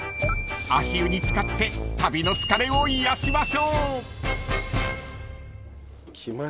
［足湯に漬かって旅の疲れを癒やしましょう］来ましたよ。